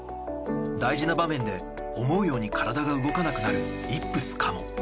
大事な場面で思うように体が動かなくなるイップスかも。